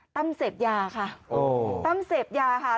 ตั้มเสพยาค่ะ